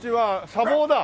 「茶房」だ！